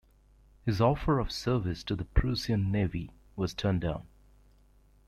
His offer of service to the Prussian Navy was turned down.